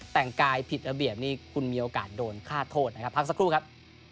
แต่งกายผิดระเบียบนี่คุณมีโอกาสโดนฆ่าโทษนะครับพักสักครู่ครับ